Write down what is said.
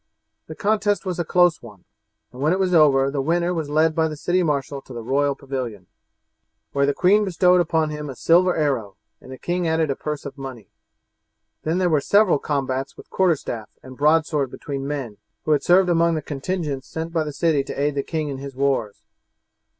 The contest was a close one, and when it was over the winner was led by the city marshal to the royal pavilion, where the queen bestowed upon him a silver arrow, and the king added a purse of money. Then there were several combats with quarterstaff and broadsword between men who had served among the contingents sent by the city to aid the king in his wars.